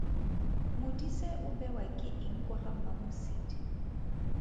Modise o bewa ke eng kwa ga Mmamosidi?